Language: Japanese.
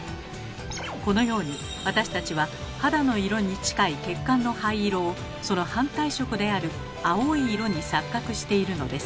このように私たちは肌の色に近い血管の灰色をその反対色である青い色に錯覚しているのです。